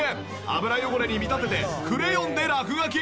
油汚れに見立ててクレヨンで落書き。